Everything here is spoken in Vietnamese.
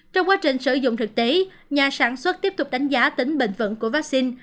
trong quá trình sử dụng thực tế nhà sản xuất tiếp tục đánh giá tính bền vững của vaccine